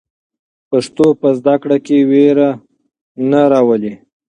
پښتو په زده کړه کې وېره نه راولي.